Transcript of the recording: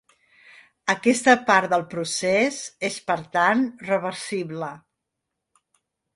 Aquesta part del procés és, per tant, reversible.